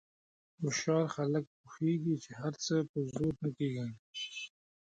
هوښیار خلک پوهېږي چې هر څه په زور نه کېږي.